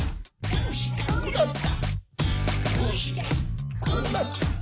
どうしてこうなった？」